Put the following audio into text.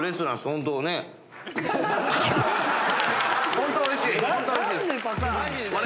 ホントおいしい。